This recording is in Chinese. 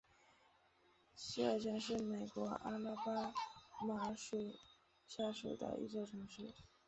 西尔泉是美国阿拉巴马州下属的一座城市。